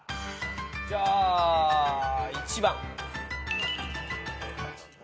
じゃあ１番。